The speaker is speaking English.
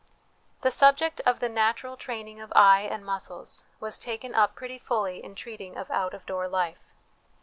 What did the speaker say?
The subject of the natural training of eye and muscles was taken up pretty fully in treating of ' Out of door Life.'